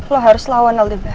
lo harus lawan aldebaran